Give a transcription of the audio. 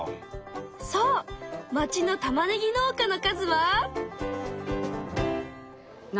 そう町のたまねぎ農家の数は。